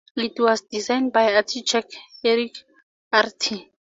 It was designed by architect Erkki Aarti.